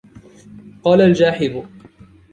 قال الجاحظ